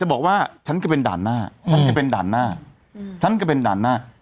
หรือไปฉีดเข็มสามส่วนใหญ่แล้วการจะบอกว่าฉันก็เป็นด่านหน้า